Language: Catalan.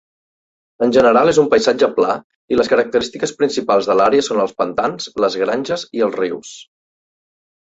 En general és un paisatge pla i les característiques principals de l'àrea son els pantans, les granges i els rius.